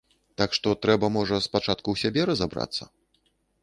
Так што трэба, можа, спачатку ў сябе разабрацца?